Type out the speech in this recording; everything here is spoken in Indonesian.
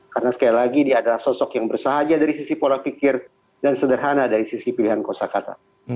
karena sekali lagi dia adalah sosok yang bersahaja dari sisi pola pikir dan sederhana dari sisi pilihan kosa kata